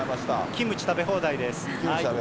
キムチ食べ放題。